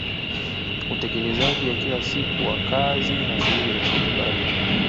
Utekelezaji wa kila siku wa kazi na shughuli za Serikali